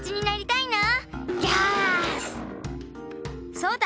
そうだ！